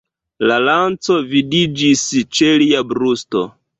La lanco vidiĝis ĉe lia brusto.